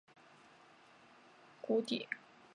当冰河在峡谷内时则被称为线状谷底沉积。